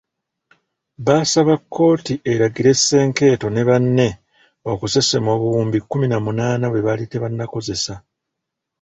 Baasaba kkooti eragire Senkeeto ne banne okusesema obuwumbi kkumi na munaana bwe baali tebannakozesa.